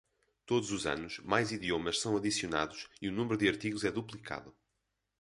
Todos os anos, mais idiomas são adicionados e o número de artigos é duplicado.